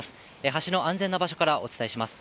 橋の安全な場所からお伝えします。